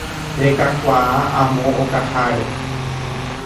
Rekakuaa amo okaháre